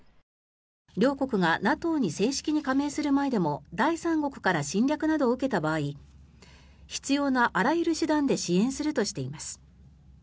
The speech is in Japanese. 両国がＮＡＴＯに正式に加盟する前でも第三国から侵略などを受けた場合必要なあらゆる手段で支援するとしています。